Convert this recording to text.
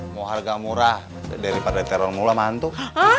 mau harga murah daripada teror mula mantuk